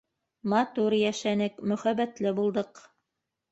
Матур йәшәнек, мөхәббәтле булдыҡ.